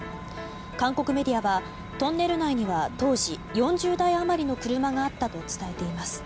韓国メディアはトンネル内には当時、４０台余りの車があったと伝えています。